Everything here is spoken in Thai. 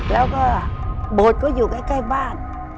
แล้วก็โบสถ์ก็อยู่ใกล้บ้าน